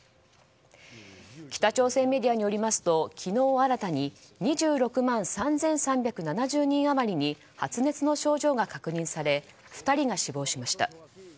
北朝鮮メディアによりますと昨日新たに２６万３３７０人余りに発熱の症状が確認され２人が死亡しました。